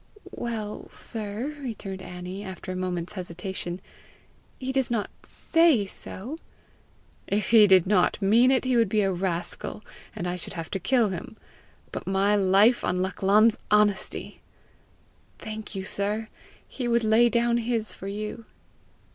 "Well, sir," returned Annie, after a moment's hesitation, "he does not SAY so!" "If he did not mean it, he would be a rascal, and I should have to kill him. But my life on Lachlan's honesty!" "Thank you, sir. He would lay down his for you."